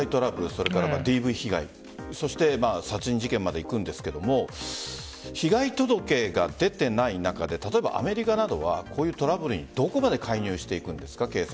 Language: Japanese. それからＤＶ被害そして殺人事件までいくんですけれども被害届が出ていない中で例えばアメリカなどではこういうトラブルにどこまで介入していくんですか？